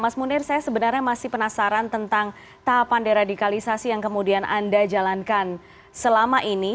mas munir saya sebenarnya masih penasaran tentang tahapan deradikalisasi yang kemudian anda jalankan selama ini